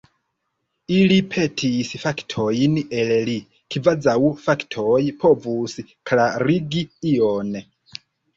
Ili petis faktojn el li, kvazaŭ faktoj povus klarigi ion!